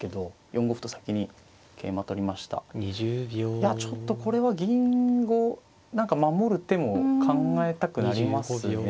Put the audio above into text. いやちょっとこれは銀を何か守る手も考えたくなりますね。